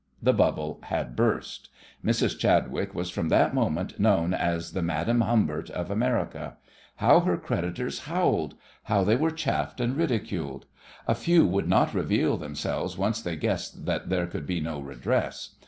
The bubble had burst! Mrs. Chadwick was from that moment known as the Madame Humbert of America. How her creditors howled! How they were chaffed and ridiculed! A few would not reveal themselves once they guessed that there could be no redress.